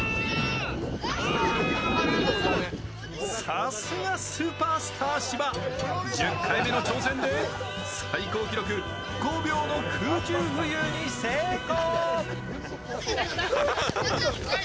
さすがスーパースター・芝１０回目の挑戦で最高記録５秒の空中浮遊に成功！